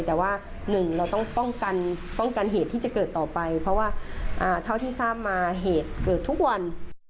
แต่ว่าหนึ่งเราต้องป้องกันป้องกันเหตุที่จะเกิดต่อไปเพราะว่าเท่าที่ทราบมาเหตุเกิดทุกวัน